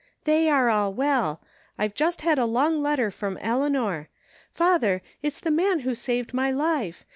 " They are all well I've just had a long letter from Eleanor. Father, it's tihe man who saved my life